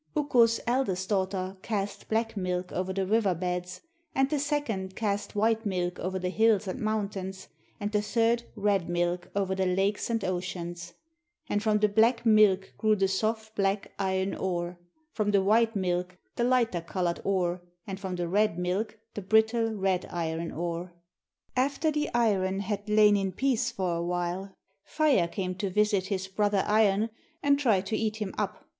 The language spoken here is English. Ukko's eldest daughter cast black milk over the river beds, and the second cast white milk over the hills and mountains, and the third red milk over the lakes and oceans; and from the black milk grew the soft black iron ore; from the white milk the lighter coloured ore; and from the red milk the brittle red iron ore. After the iron had lain in peace for a while, Fire came to visit his brother Iron and tried to eat him up.